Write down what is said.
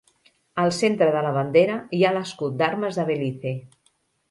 Al centre de la bandera hi ha l'escut d'armes de Belize.